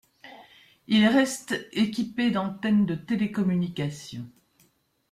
Il reste équipé d'antennes de télécommunication.